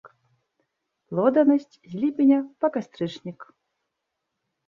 Плоданасіць з ліпеня па кастрычнік.